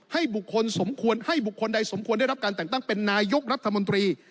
ให้บุคคลสมควรให้บุคคลใดสมควรได้รับการแต่งตั้งเป็นนายกรัฐมนตรี